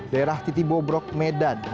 daerah titibobrog medan